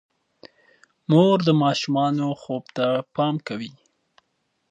مور د ماشومانو خوب ته پام کوي.